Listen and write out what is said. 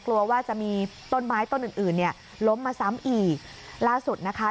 กลัวว่าจะมีต้นไม้ต้นอื่นอื่นเนี่ยล้มมาซ้ำอีกล่าสุดนะคะ